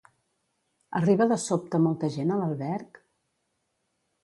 Arriba de sobte molta gent a l'alberg?